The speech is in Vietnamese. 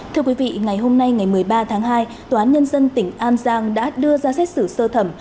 thưa quý vị ngày hôm nay ngày một mươi ba tháng hai tòa án nhân dân tỉnh an giang đã đưa ra xét xử sơ thẩm